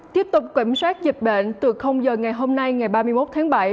tiếp tục kiểm soát dịch bệnh từ giờ ngày hôm nay ngày ba mươi một tháng bảy